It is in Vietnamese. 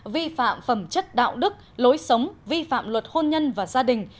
vi phạm phẩm chất đạo đức lối sống vi phạm luật hôn nhân và gia đình